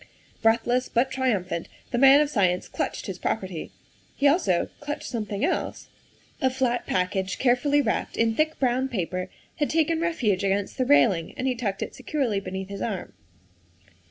Breathless, but triumphant, the man of science clutched his property. He also clutched something else. A flat package carefully wrapped in thick brown paper had taken refuge against the railing, and he tucked it securely beneath his arm.